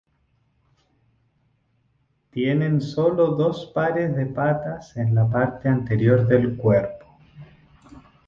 Tienen solo dos pares de patas en la parte anterior del cuerpo.